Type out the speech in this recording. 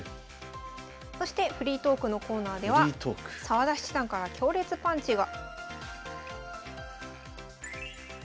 そしてフリートークのコーナーでは澤田七段から強烈パンチが。